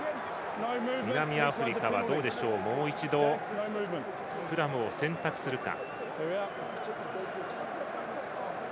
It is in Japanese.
南アフリカはもう一度、スクラムを選択するか。